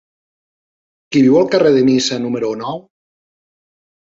Qui viu al carrer de Niça número nou?